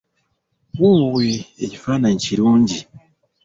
Woowe, ekifaananyi kirungi!